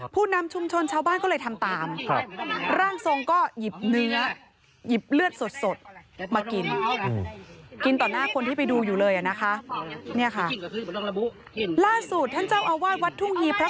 กูเป็นผีเปรตนะ